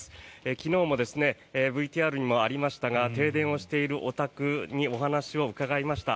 昨日も、ＶＴＲにもありましたが停電をしているお宅にお話をうかがいました。